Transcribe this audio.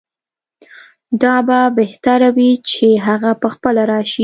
دا به بهتره وي چې هغه پخپله راشي.